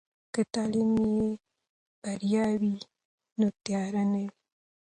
که تعلیم کې بریا وي، نو تیارې نه وي.